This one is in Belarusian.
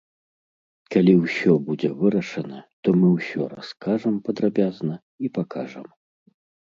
Калі ўсё будзе вырашана, то мы ўсё раскажам падрабязна і пакажам.